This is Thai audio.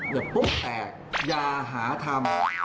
แบบแปลงอย่าหาทำ